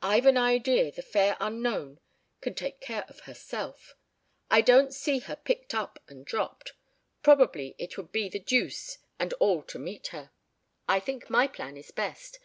"I've an idea the fair unknown can take care of herself. I don't see her picked up and dropped. Probably it would be the deuce and all to meet her. I think my plan is best.